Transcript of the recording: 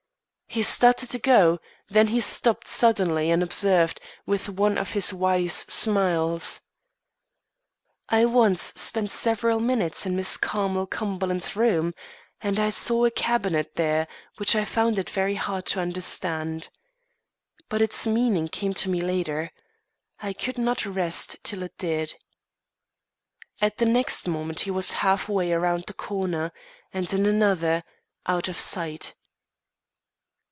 He started to go, then he stopped suddenly and observed, with one of his wise smiles: "I once spent several minutes in Miss Carmel Cumberland's room, and I saw a cabinet there which I found it very hard to understand. But its meaning came to me later. I could not rest till it did." At the next moment he was half way around a corner, and in another, out of sight.